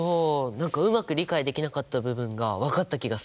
何かうまく理解できなかった部分が分かった気がする。